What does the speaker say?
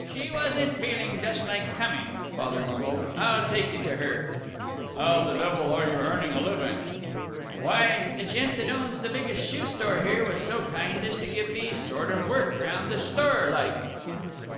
"She wasn't feeling jus' like coming," Father mumbled. "I'll take you to her." "How the devil are you earning a living?" "Why, the gent that owns the biggest shoe store here was so kind as to give me sort of work round the store like."